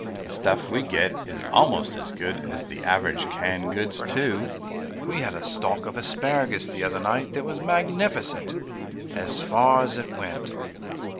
The stuff we get is almost as good as the average canned goods, too. We had a stalk of asparagus the other night that was magnificent as far as it went.